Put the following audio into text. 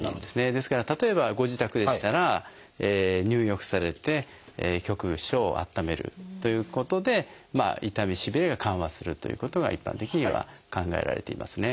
ですから例えばご自宅でしたら入浴されて局所を温めるということで痛みしびれは緩和するということが一般的には考えられていますね。